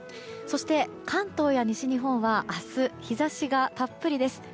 そして、関東や西日本は明日、日差しがたっぷりです。